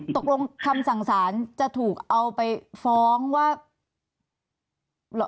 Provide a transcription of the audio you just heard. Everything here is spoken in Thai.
ตกลงคำสั่งสารจะถูกเอาไปฟ้องว่า